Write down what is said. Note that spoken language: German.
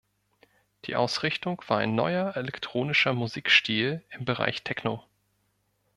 Die Ausrichtung war ein neuer elektronischer Musikstil im Bereich Techno.